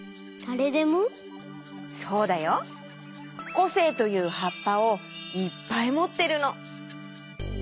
こせいというはっぱをいっぱいもってるの。